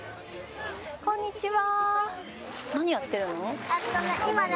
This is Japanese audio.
こんにちは。